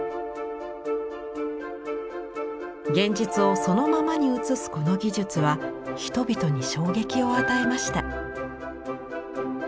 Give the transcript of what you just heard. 現実をそのままに写すこの技術は人々に衝撃を与えました。